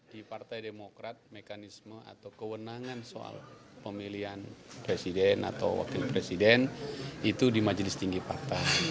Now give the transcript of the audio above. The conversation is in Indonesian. di partai demokrat mekanisme atau kewenangan soal pemilihan presiden atau wakil presiden itu di majelis tinggi partai